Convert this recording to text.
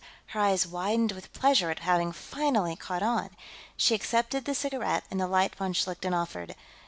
Her eyes widened with pleasure at having finally caught on; she accepted the cigarette and the light von Schlichten offered.